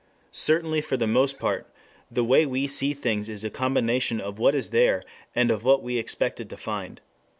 Certainly for the most part, the way we see things is a combination of what is there and of what we expected to find.